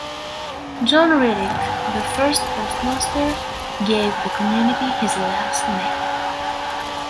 John Reddick, the first postmaster, gave the community his last name.